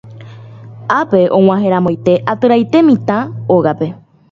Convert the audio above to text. Ápe og̃uahẽramoite atytaite mitã ógape.